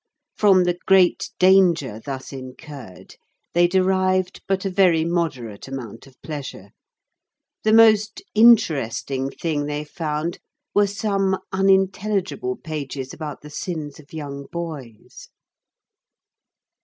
From the great danger thus incurred they derived but a very moderate amount of pleasure. The most "interesting thing" they found were some unintelligible pages about the sins of young boys.